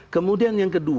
kemudian yang kedua